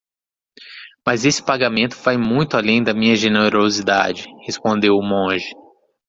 "Mas esse pagamento vai muito além da minha generosidade?", respondeu o monge.